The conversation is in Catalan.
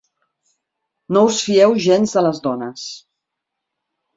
No us fieu gens de les dones